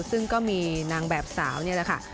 ซึ่งก็มีนางแบบสาวนี่แหละค่ะ